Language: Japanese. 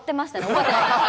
覚えてないです。